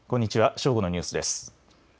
正午のニュースです。